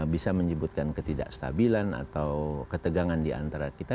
bisa menyebutkan ketidakstabilan atau ketegangan diantara kita